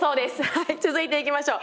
はい続いていきましょう。